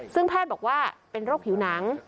ซึ่งแพทย์บอกว่าเป็นโรคผิวหนัง